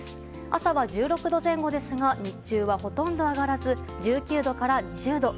朝は１６度前後ですが日中は、ほとんど上がらず１９度から２０度。